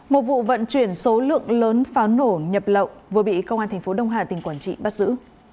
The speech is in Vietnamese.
một vụ vận chuyển số lượng lớn pháo nổ nhập lậu vừa bị công an tp đông hà tỉnh quản trị bắt giữ